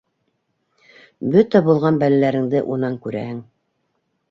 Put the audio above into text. Бөтә булған бәләләреңде унан күрәһең...